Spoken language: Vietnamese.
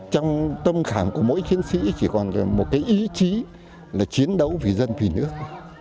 trong tâm khảm của mỗi chiến sĩ chỉ còn một cái ý chí là chiến đấu vì dân vì nước